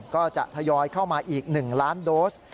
ก็จะทยอยเข้ามาอีก๑ล้านโดส